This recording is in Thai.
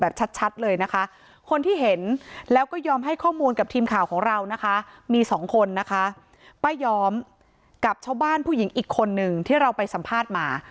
ป้ายออมกับชาวบ้านผู้หญิงอีกคนนึงที่เราไปสัมภาษณ์มา